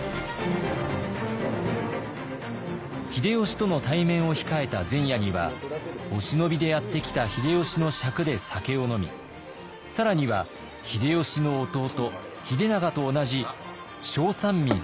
秀吉との対面を控えた前夜にはお忍びでやって来た秀吉の酌で酒を飲み更には秀吉の弟秀長と同じ正三位権